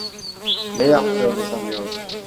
Ne yaptığını sanıyor?